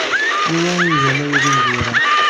Anwi ay igan aya d imezwura?